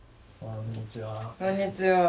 こんにちは。